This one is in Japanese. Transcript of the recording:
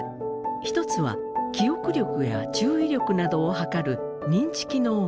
一つは記憶力や注意力などを測る認知機能検査。